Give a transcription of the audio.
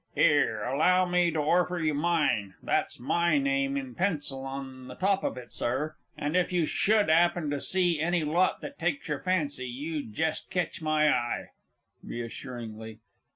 'Ere, allow me to orfer you mine that's my name in pencil on the top of it, Sir; and, if you should 'appen to see any lot that takes your fancy, you jest ketch my eye. (_Reassuringly.